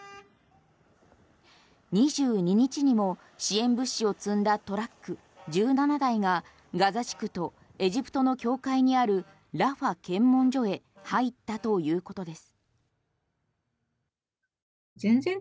２２日にも支援物資を積んだトラック１７台が、ガザ地区とエジプトの境界にあるラファ検問所へ入ったということです。